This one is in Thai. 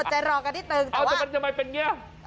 อดใจรอกันนิดนึงอ้าวแต่มันเป็นไง